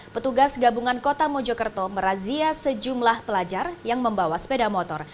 petugas gabungan kota mojokerto merazia sejumlah pelajar yang membawa sepeda motor